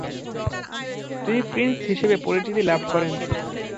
তিনি প্রিন্স হিসেবে পরিচিতি লাভ করেন।